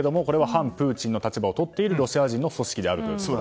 反プーチンをとっているロシア人の組織であると。